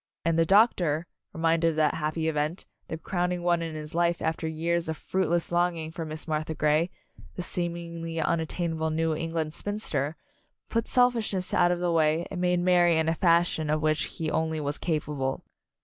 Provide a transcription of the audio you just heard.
And the doctor, reminded 18 Anne's Wedding of that happy event, the crowning one in his life after years of fruitless longing for Miss Martha Grey, the seemingly unat tainable New England spinster, put self ishness out of the way and made merry in a fashion of which he only was capable.